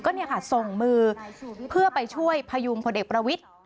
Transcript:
ก็ส่งมือเพื่อไปช่วยพยุงคนเอกประวิทย์